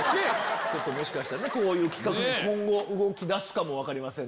もしかしたらこういう企画今後動きだすかも分かりません。